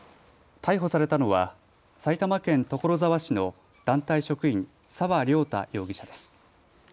逮捕されたのは埼玉県所沢市の団体職員、澤涼太容疑者です。